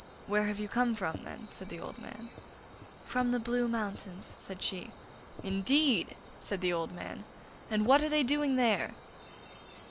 'Where have you come from, then?' said the old man. 'From the Blue Mountains,' said she. 'Indeed!' said the old man; and what are they doing there?